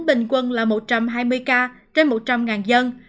bình quân là một trăm hai mươi ca trên một trăm linh dân